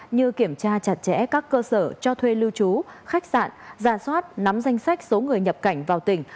như kiểm tra chặt chẽ các cơ sở cho thuê lưu trú khách sạn ra soát nắm danh sách số người nhập cảnh vào tỉnh